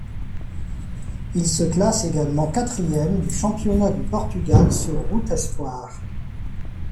Il se classe également quatrième du championnat du Portugal sur route espoirs.